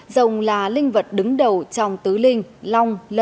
rồng là linh vật đứng đầu trong tứ linh long lân